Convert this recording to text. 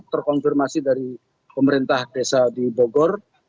terkonfirmasi dari pemerintah desa di bogor